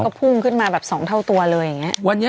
หนามก็พุ่งขึ้นมาแบบสองเท่าตัวเลยเนี่ย